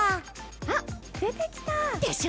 あ、出てきた！